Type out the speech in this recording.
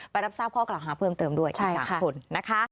รับทราบข้อกล่าวหาเพิ่มเติมด้วยอีก๓คนนะคะ